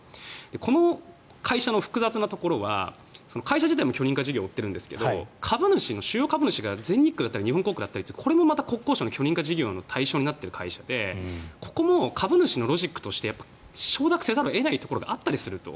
この会社の複雑なところは会社自体も許認可事業を負ってるんですけど主要株主が全日空だったり日本航空だったりこれも国交省の許認可事業の対象になってる会社でここも株主のロジックとして承諾せざるを得ないところがあったりする。